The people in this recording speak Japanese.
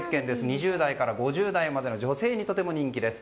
２０代から５０代までの女性にとても人気です。